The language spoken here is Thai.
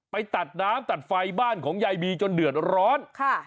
ไปตัดน้ำตัดไฟบ้านของยายบีจนเดือดร้อนค่ะ